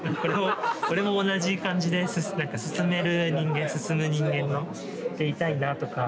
これも同じ感じで進める人間進む人間でいたいなとか。